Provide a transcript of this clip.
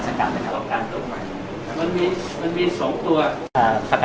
สวัสดีครับ